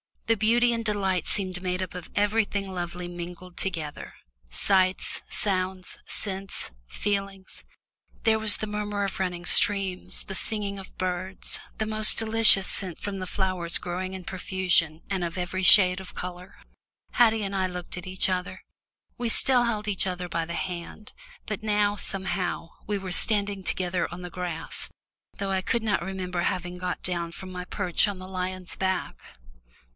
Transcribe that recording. The beauty and delight seemed made up of everything lovely mingled together sights, sounds, scents, feelings. There was the murmur of running streams, the singing of birds, the most delicious scent from the flowers growing in profusion and of every shade of colour. Haddie and I looked at each other we still held each other by the hand, but now, somehow, we were standing together on the grass, though I could not remember having got down from my perch on the lion's back.